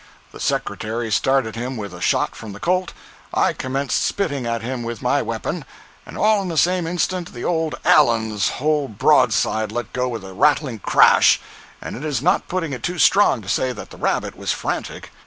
The secretary started him with a shot from the Colt; I commenced spitting at him with my weapon; and all in the same instant the old "Allen's" whole broadside let go with a rattling crash, and it is not putting it too strong to say that the rabbit was frantic!